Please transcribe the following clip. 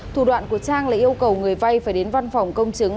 thủ đoạn của trang là yêu cầu người vay phải đến văn phòng công chứng